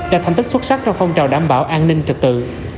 đã thành tích xuất sắc trong phong trào đảm bảo an ninh trực tự